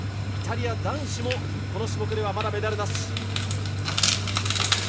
イタリア男子も、この種目ではまだメダルなし。